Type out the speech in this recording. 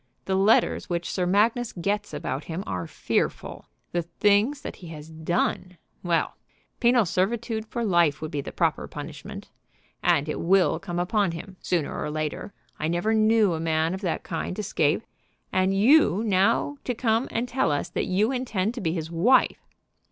The letters which Sir Magnus gets about him are fearful. The things that he has done, well, penal servitude for life would be the proper punishment. And it will come upon him sooner or later. I never knew a man of that kind escape. And you now to come and tell us that you intend to be his wife!"